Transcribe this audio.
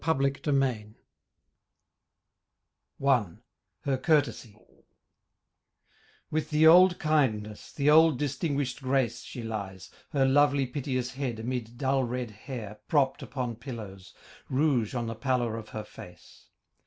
UPON A DYING LADY I HER COURTESY With the old kindness, the old distinguished grace She lies, her lovely piteous head amid dull red hair Propped upon pillows, rouge on the pallor of her face.